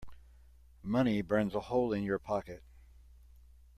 Money burns a hole in your pocket.